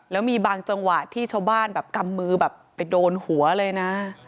แล้วมีบางจังหวะที่ชาวบ้านแบบกำมือแบบไปโดนหัวเลยนะ